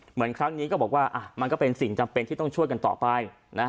เหมือนครั้งนี้ก็บอกว่ามันก็เป็นสิ่งจำเป็นที่ต้องช่วยกันต่อไป